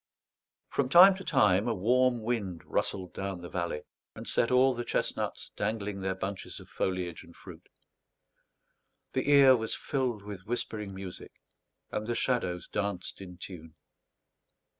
From time to time a warm wind rustled down the valley, and set all the chestnuts dangling their bunches of foliage and fruit; the ear was filled with whispering music, and the shadows danced in tune.